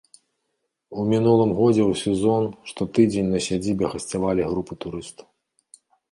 У мінулым годзе ў сезон штотыдзень на сядзібе гасцявалі групы турыстаў.